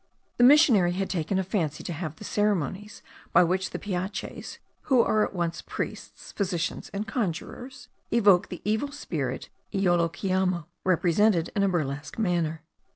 The missionary had taken a fancy to have the ceremonies by which the piaches (who are at once priests, physicians, and conjurors) evoke the evil spirit Iolokiamo, represented in a burlesque manner.